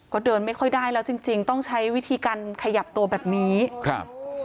ก็เดินไม่ค่อยได้แล้วจริงจริงต้องใช้วิธีการขยับตัวแบบนี้ครับ